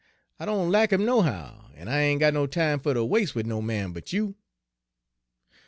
I doan lack him nohow, en I ain' got no time fer ter was'e wid no man but you.'